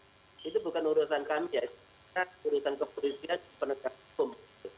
itu bukan urusan kepolisian penegak hukum